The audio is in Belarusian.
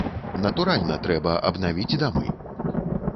Натуральна, трэба абнавіць дамы.